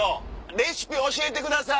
レシピ教えてください。